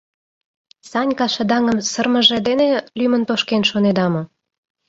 Санька шыдаҥым сырымыже дене лӱмын тошкен шонеда мо?..